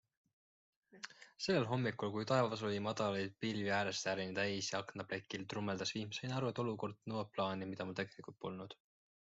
Sellel hommikul, kui taevas oli madalaid pilvi äärest ääreni täis ja aknaplekil trummeldas vihm, sain aru, et olukord nõuab plaani, mida mul tegelikult polnud.